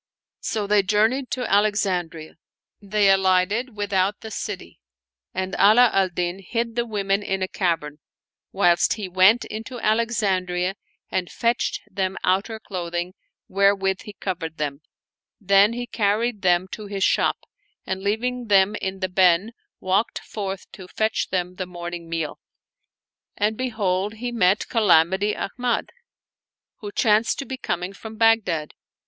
• So they journeyed to Alexandria. They alighted with lout the city and Ala al Din hid the women in a cavern, whilst he went into Alexandria and fetched them outer clothing, wherewith he covered them. Then he carried them to his shop and, leaving them in the " ben "^ walked forth to fetch them the morning meal, and behold, he » As opposed to the but," or outer room. 154 Calamity Ahmad and Habzalam Bazazah met Calamity Ahmad who chanced to be coming from Baghdad.